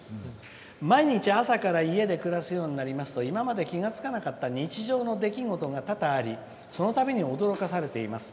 毎日家で暮らすようになりますと今まで気付かなかった日常の出来事が多々ありそのたびに驚かされています。